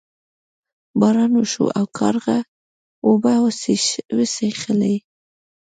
باران وشو او کارغه اوبه وڅښلې.